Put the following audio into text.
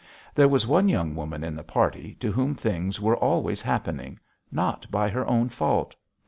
There was one young woman in the party to whom things were always happening not by her own fault.